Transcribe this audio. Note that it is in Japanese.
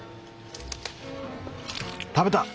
食べた！